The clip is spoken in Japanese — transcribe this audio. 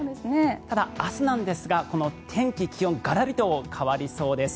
ただ、明日なんですがこの天気、気温がらりと変わりそうです。